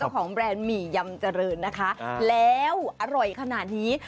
ของแบรนด์หมี่ยำเจริญนะคะแล้วอร่อยขนาดนี้